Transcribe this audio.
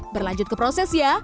berlanjut ke proses ya